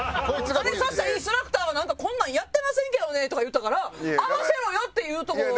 そしたらインストラクターが「こんなんやってませんけどね」とか言ったから合わせろよ！っていうところは。